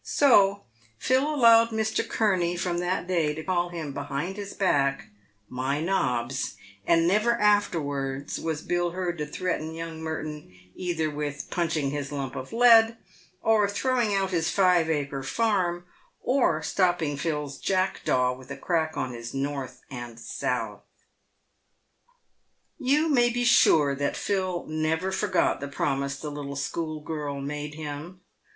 So Phil allowed Mr. Kurney from that day to call him, behind his back, "My nobs," and never afterwards was Bill heard to threaten young Merton either with "punching his lump of lead," or "throwing out his five acre farm," or " stopping Phil's jackdaw with a crack on his north and south." You may be sure that Phil never forgot the promise the little school girl made him.